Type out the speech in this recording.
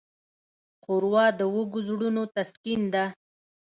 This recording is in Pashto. ښوروا د وږو زړونو تسکین ده.